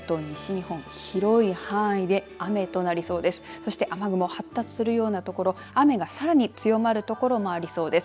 そして雨雲、発達するような所雨がさらに強まる所もありそうです。